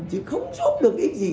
chứ không giúp được ích gì